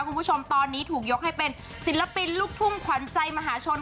คุณผู้ชมตอนนี้ถูกยกให้เป็นศิลปินลูกทุ่งขวัญใจมหาชน